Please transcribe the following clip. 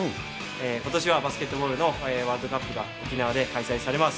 ことしはバスケットボールのワールドカップが沖縄で開催されます。